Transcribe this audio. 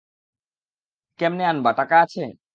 কেমনে আনবা, টাকা আছে?